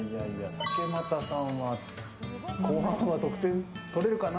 竹俣さんは後半得点とれるかな。